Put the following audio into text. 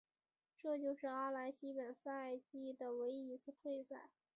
这是阿莱西本赛季的唯一一次退赛。